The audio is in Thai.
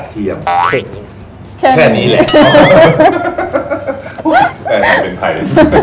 แต่อย่างนี้เป็นไทย